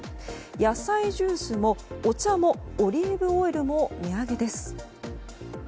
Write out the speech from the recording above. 野菜ジュースもお茶もオリーブオイルも値上げです。